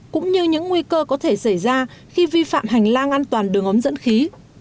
cũng như những nguy cơ có thể xảy ra khi vi phạm hành lang an toàn đường ống dẫn khí